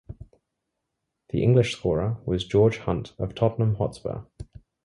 The English scorer was George Hunt of Tottenham Hotspur.